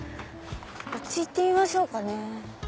こっち行ってみましょうかね。